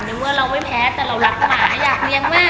ในเมื่อเราไม่แพ้แต่เรารักหมาอยากเลี้ยงมาก